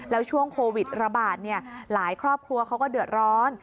แล้วช่วงโควิดระบาดหลายครอบครัวเขาก็เดือดร้อน